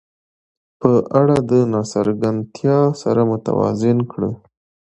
په اړه د ناڅرګندتیا سره متوازن کړه.